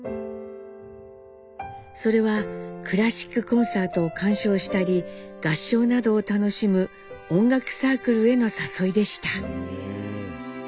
それはクラシックコンサートを鑑賞したり合唱などを楽しむ音楽サークルへの誘いでした。